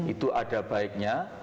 itu ada baiknya